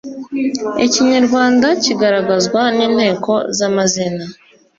ikinyarwanda kigaragazwa ni nteko za mazina